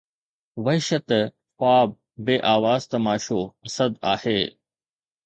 وحشت، خواب، بي آواز تماشو اسد آهي